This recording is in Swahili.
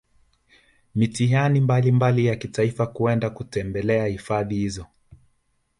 mitihani mbalimbali ya kitaifa kwenda kutembelea Hifadhi hizo